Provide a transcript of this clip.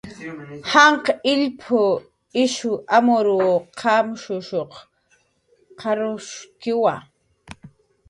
Janq' illp ish amur qamsanq qarwshkiwa